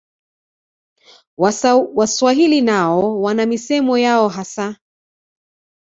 Waswahili nao wana misemo yao hasa